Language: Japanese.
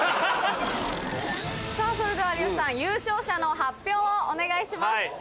さぁそれでは有吉さん優勝者の発表をお願いします。